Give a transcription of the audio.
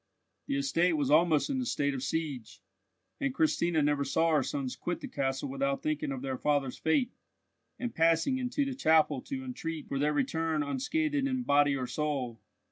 The estate was almost in a state of siege, and Christina never saw her sons quit the castle without thinking of their father's fate, and passing into the chapel to entreat for their return unscathed in body or soul.